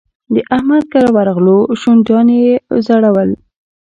د احمد کره ورغلو؛ شونډان يې ځړول.